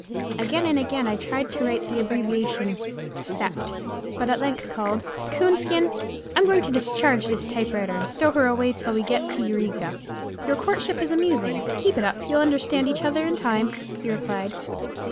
Again and again I tried to write the abbreviation "Sept.," but at length called "Coonskin, I'm going to discharge this typewriter, and stow her away till we get to Eureka." "Your courtship is amusing. Keep it up, you'll understand each other in time," he replied.